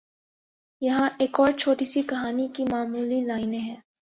یہاں ایک اور چھوٹی سی کہانی کی معمولی لائنیں ہیں